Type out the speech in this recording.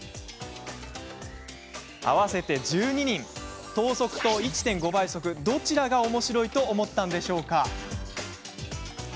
合わせて１２人等速と１．５倍速どちらがおもしろいと思ったのでしょうか。